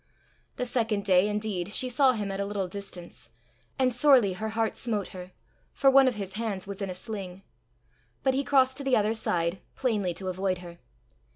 The second day, indeed, she saw him at a little distance, and sorely her heart smote her, for one of his hands was in a sling; but he crossed to the other side, plainly to avoid her.